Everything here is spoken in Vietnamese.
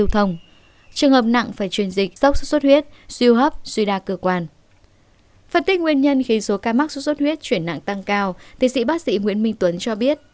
thị sĩ bác sĩ nguyễn minh tuấn cho biết